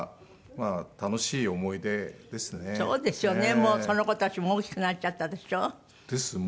もうその子たちも大きくなっちゃったでしょ？です。